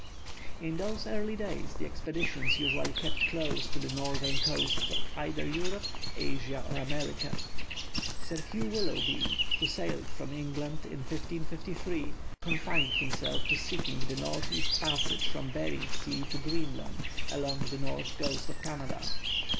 In those early days the expeditions usually kept close to the northern coasts of either Europe, Asia, or America. Sir Hugh Willoughby, who sailed from England in 1553, confined himself to seeking the north east passage from Behring Sea to Greenland along the north coast of Canada.